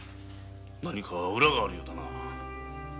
何か裏があるようだな。